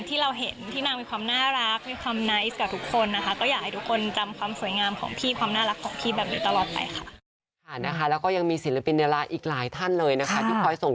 ที่เราเห็นที่นางมีความน่ารักมีความนายส์กับทุกคน